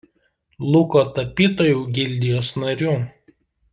Luko tapytojų gildijos nariu.